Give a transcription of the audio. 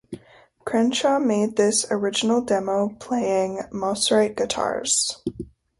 Crenshaw made this original demo playing Mosrite guitars.